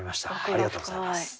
ありがとうございます。